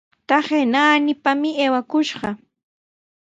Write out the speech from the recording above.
Taqay naanipami aywakushqa.